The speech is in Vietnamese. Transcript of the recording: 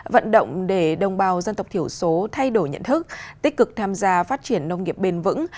vận động để đồng bào dân tộc thiểu số thay đổi nhận thức tích cực tham gia phát triển nông nghiệp bền vững